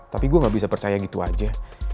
tapi gue gak bisa percaya gitu aja